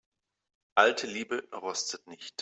Alte Liebe rostet nicht.